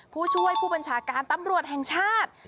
ผู้ช่วยผู้บัญชาการตำรวจแห่งชาติ